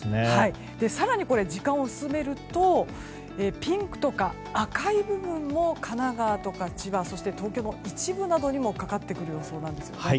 更に時間を進めるとピンクとか赤い部分も神奈川とか千葉東京の一部などにもかかってくる予想なんです。